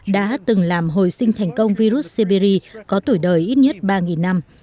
đã từng làm hồi sinh thành công virus siberia có tuổi đời ít nhất ba năm